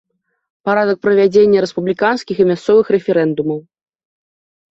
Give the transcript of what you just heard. Парадак правядзення рэспубліканскіх і мясцовых рэферэндумаў.